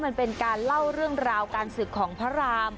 มันเป็นการเล่าเรื่องราวการศึกของพระราม